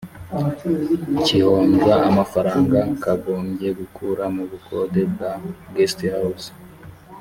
kihombya amafaranga kagombye gukura mu bukode bwa guest house